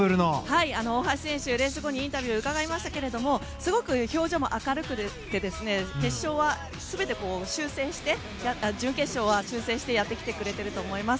大橋選手、レース後にインタビューをしましたがすごく表情も明るくて準決勝は全て修正してやってきてくれていると思います。